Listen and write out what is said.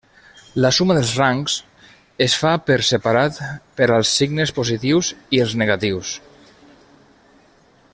La suma dels rangs es fa per separat per als signes positius i els negatius.